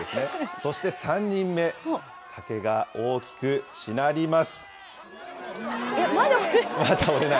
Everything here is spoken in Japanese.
そして３人目、竹が大きくしなりまだ折れない？